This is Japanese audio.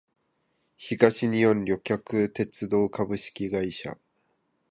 東日本旅客鉄道株式会社